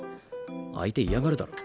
相手嫌がるだろ。